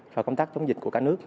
và công tác chống dịch của cả nước